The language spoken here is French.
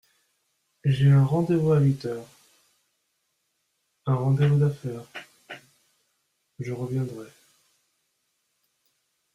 J’ai un rendez-vous à huit heures… un rendez-vous d’affaires… je reviendrai…